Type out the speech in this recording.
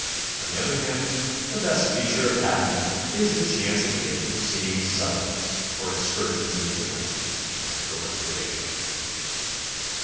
On the other hand, the best feature of having it is the chance it gives for seeing suburbs, for excursions into the country and for recreation.